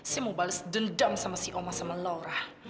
saya mau bales dendam sama si oma sama laura